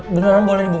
beneran boleh ibu